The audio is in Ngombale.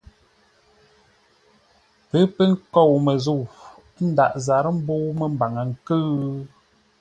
Pə́ pə́ nkôu məzə̂u, ə́ ndǎghʼ zarə́ mbə̂u məmbaŋə ńkʉ̂ʉ?